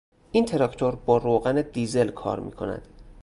این تراکتور با روغن دیزل کار میکند.